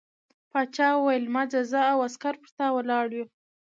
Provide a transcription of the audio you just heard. باچا وویل مه ځه زه او عسکر پر تا ولاړ یو.